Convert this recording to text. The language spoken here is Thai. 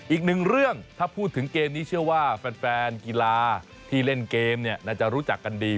อีกหนึ่งเรื่องถ้าพูดถึงเกมนี้เชื่อว่าแฟนกีฬาที่เล่นเกมเนี่ยน่าจะรู้จักกันดี